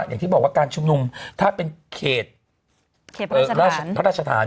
อย่างที่บอกว่าการชุมนุมถ้าเป็นเขตพระราชฐาน